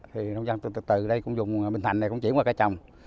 thì nông dân từ từ đây cũng dùng bình thành này cũng chuyển qua cái chồng